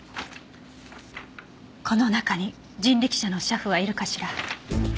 この中に人力車の車夫はいるかしら？